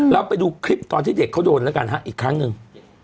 เราไปดูคลิปตอนที่เด็กเขาโดนแล้วกันฮะอีกครั้งหนึ่ง